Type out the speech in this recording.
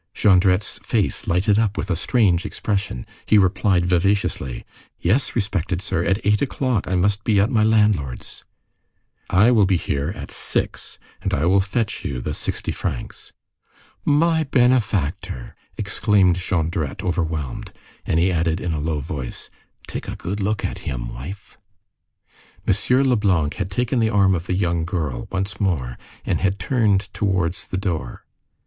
Jondrette's face lighted up with a strange expression. He replied vivaciously:— "Yes, respected sir. At eight o'clock, I must be at my landlord's." "I will be here at six, and I will fetch you the sixty francs." "My benefactor!" exclaimed Jondrette, overwhelmed. And he added, in a low tone: "Take a good look at him, wife!" M. Leblanc had taken the arm of the young girl, once more, and had turned towards the door.